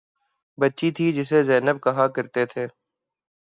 بچی تھی جسے زینب کہا کرتے تھے